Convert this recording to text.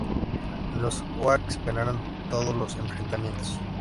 Los Oaks ganaron todos los enfrentamientos.